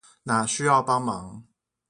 哪需要幫忙